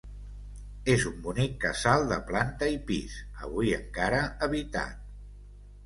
És un bonic casal de planta i pis, avui encara habitat.